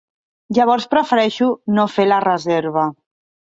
Llavors prefereixo no fer la reserva.